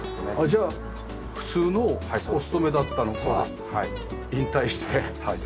じゃあ普通のお勤めだったのが引退してこちらの方に。